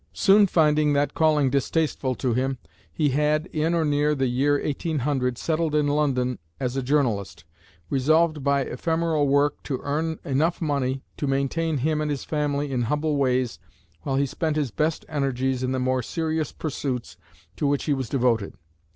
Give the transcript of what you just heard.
Soon finding that calling distasteful to him, he had, in or near the year 1800, settled in London as a journalist, resolved by ephemeral work to earn enough money to maintain him and his family in humble ways while he spent his best energies in the more serious pursuits to which he was devoted.